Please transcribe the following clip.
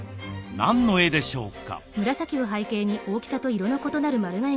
何の絵でしょうか？